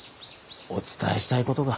お伝えしたいことが。